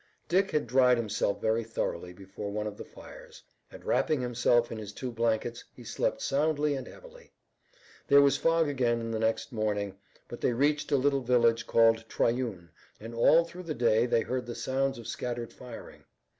Dick had dried himself very thoroughly before one of the fires, and wrapping himself in his two blankets he slept soundly and heavily. There was fog again the next morning, but they reached a little village called Triune and all through the day they heard the sounds of scattered firing.